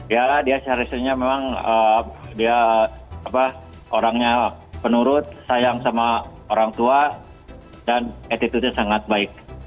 ya dia seharusnya memang dia orangnya penurut sayang sama orang tua dan attitude nya sangat baik